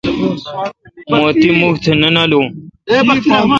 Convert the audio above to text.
مہ تی مھک تہ نہ نالو۔